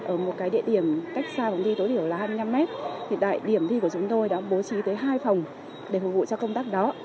ở một cái địa điểm cách xa vòng thi tối thiểu là hai mươi năm mét thì tại điểm thi của chúng tôi đã bố trí tới hai phòng để phục vụ cho công tác đó